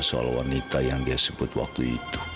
soal wanita yang dia sebut waktu itu